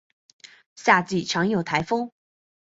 夏季常有台风。